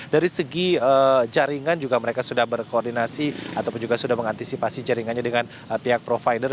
dari segi jaringan juga mereka sudah berkoordinasi ataupun juga sudah mengantisipasi jaringannya dengan pihak provider